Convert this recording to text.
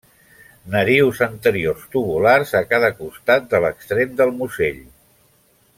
Narius anteriors tubulars a cada costat de l'extrem del musell.